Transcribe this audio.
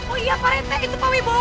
oh iya pak rete itu pak wibowo